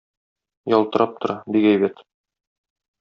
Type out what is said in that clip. Ялтырап тора, бик әйбәт.